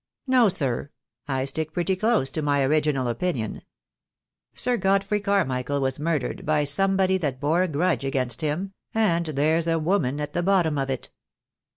"No, sir. I stick pretty close to my original opinion. Sir Godfrey Carmichael was murdered by somebody that bore a grudge against him; and there's a woman at the bottom of it."